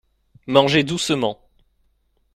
Mangez doucement.